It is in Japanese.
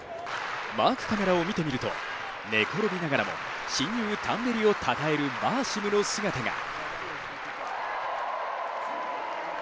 マークカメラを見てみると寝転びながらも親友タンベリをたたえるバーシムの姿が。